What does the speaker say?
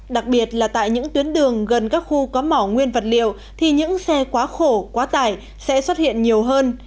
đặc biệt là tại những tuyến đường gần các khu có mỏ nguyên vật liệu thì những xe quá khổ quá tải sẽ xuất hiện nhiều hơn